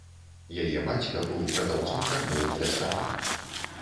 Яе бацька быў прадаўцом кармоў для ската.